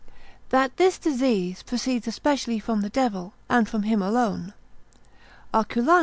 That this disease proceeds especially from the devil, and from him alone. Arculanus, cap.